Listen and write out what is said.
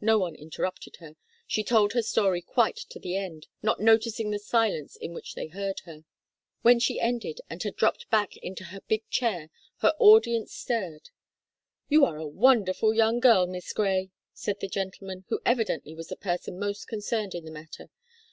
No one interrupted her; she told her story quite to the end, not noticing the silence in which they heard her. When she ended, and had dropped back into her big chair, her audience stirred. "You are a wonderful young girl, Miss Grey," said the gentleman, who evidently was the person most concerned in the matter.